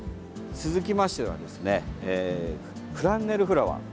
続きまして、フランネルフラワー。